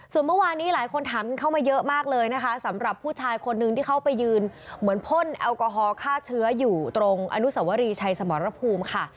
ส่วนเมื่อวานนี้หลายคนถามกันเข้ามาเยอะมากเลยนะคะสำหรับผู้ชายคนนึงที่เขาไปยืนเหมือนพ่นแอลกอฮอลฆ่าเชื้ออยู่ตรงอนุสวรีชัยสมรภูมิค่ะ